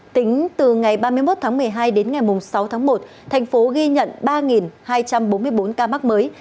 tính từ ngày ba mươi một tháng một mươi hai đến ngày sáu tháng một thành phố ghi nhận ba hai trăm bốn mươi bốn ca mắc mới